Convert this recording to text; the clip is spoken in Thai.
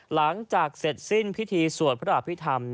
หลังจากเสร็จสิ้นพิธีสวดพระอภิษฐรรม